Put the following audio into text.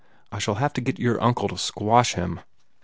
I shall have to get your uncle to squash him."